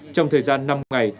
trong thời gian năm ngày